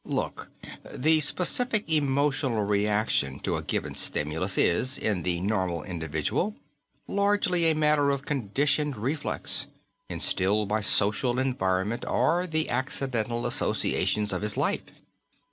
"Look, the specific emotional reaction to a given stimulus is, in the normal individual, largely a matter of conditioned reflex, instilled by social environment or the accidental associations of his life.